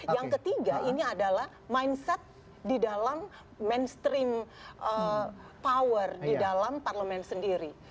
yang ketiga ini adalah mindset di dalam mainstream power di dalam parlemen sendiri